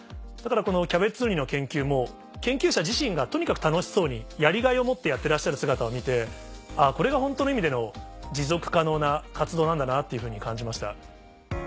だからこのキャベツウニの研究も研究者自身がとにかく楽しそうにやりがいを持ってやってらっしゃる姿を見てあぁこれが本当の意味での持続可能な活動なんだなっていうふうに感じました。